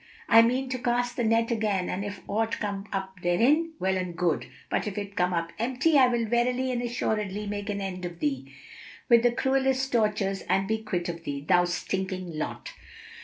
I mean to cast the net again and if aught come up therein, well and good; but, if it come up empty, I will verily and assuredly make an end of thee, with the cruellest tortures and be quit of thee, thou stinking lot."